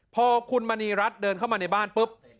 พอคุณมณีรัฐเดินเข้ามาในบ้านปุ๊บ